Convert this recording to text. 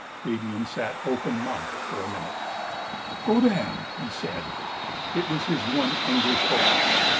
Fabian sat open mouthed for a minute. " Go dani !" he said. It was his one English oath.